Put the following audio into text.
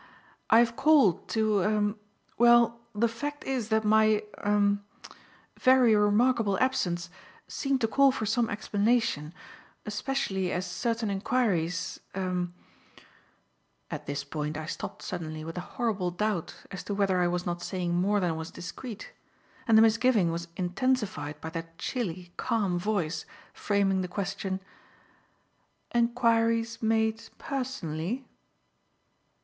"I have called to er well, the fact is that my er very remarkable absence seemed to call for some explanation, especially as certain enquiries er " At this point I stopped suddenly with a horrible doubt as to whether I was not saying more than was discreet; and the misgiving was intensified by that chilly, calm voice, framing the question: "Enquiries made personally?"